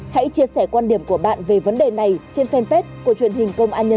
hãy chia sẻ quan điểm của bạn về vấn đề này trên fanpage của truyền hình công an nhân dân